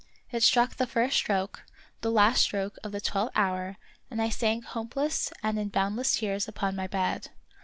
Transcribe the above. It struck the first stroke — the last stroke of the twelfth hour, and I sank hopeless and in boundless tears upon my bed.